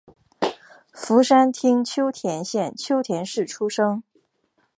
福山町秋田县秋田市出生。